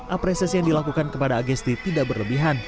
apresiasi yang dilakukan kepada agesti tidak berlebihan